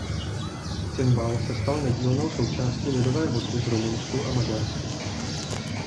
Cimbál se stal nedílnou součástí lidové hudby v Rumunsku a Maďarsku.